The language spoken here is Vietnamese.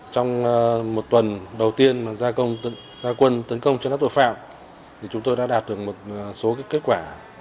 trong một tuần đầu tiên ra quân tấn công chấn áp tội phạm chúng tôi đã đạt được một số kết quả